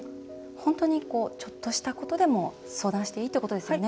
本当にちょっとしたことでも相談していいってことですよね。